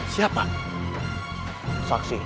siapa saksi itu